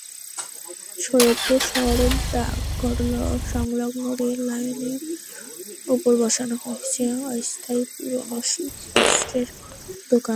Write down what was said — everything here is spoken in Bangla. সৈয়দপুর শহরের ডাকঘরসংলগ্ন রেললাইনের ওপর বসানো হয়েছে অস্থায়ী পুরোনো শীতবস্ত্রের দোকান।